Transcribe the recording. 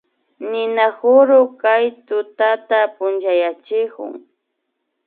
Ninakuru kay tutata punchayachikun